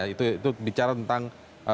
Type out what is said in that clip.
itu bicara tentang